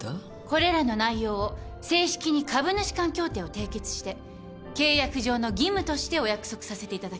これらの内容を正式に株主間協定を締結して契約上の義務としてお約束させていただきます。